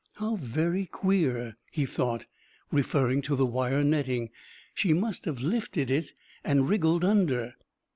"How very queer!" he thought, referring to the wire netting. "She must have lifted it and wriggled under